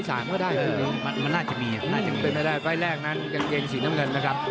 ปลายถึงเป็นแรกฝ่ายแรกกางเกงสีน้ำมือแจนนน์นะครับ